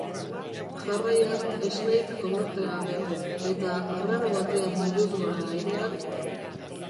Jarraian, Snape konorte gabe, era arraro batean buruz gora airean...